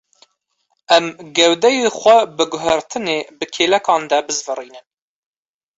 Em gewdeyê xwe bi guhertinê bi kêlekan de bizivirînin.